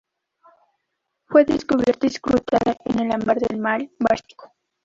Fue descubierta incrustada en ambar del mar Báltico.